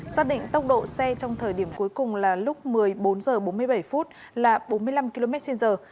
xác định tốc độ xe trong thời điểm cuối cùng là lúc một mươi bốn h bốn mươi bảy là bốn mươi năm km trên giờ